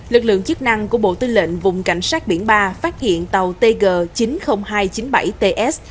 lực lượng chức năng của bộ tư lệnh vùng cảnh sát biển ba phát hiện tàu tg chín mươi nghìn hai trăm chín mươi bảy ts